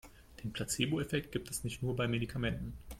Den Placeboeffekt gibt es nicht nur bei Medikamenten.